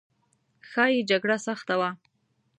ښایي جګړه سخته وه.